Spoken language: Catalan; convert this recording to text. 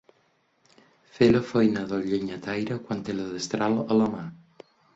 Fer la feina del llenyataire quan té la destral a la mà.